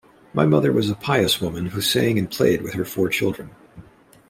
My mother was a pious woman who sang and played with her four children.